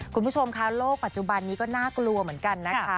คุณผู้ชมคะโลกปัจจุบันนี้ก็น่ากลัวเหมือนกันนะคะ